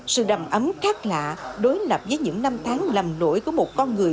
sự đầm ấm khác lạ đối lập với những năm tháng làm lỗi của một con người